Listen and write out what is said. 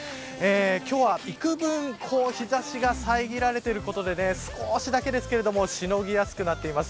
今日は、いくぶん日差しが遮られていることで少しだけですがしのぎやすくなっています。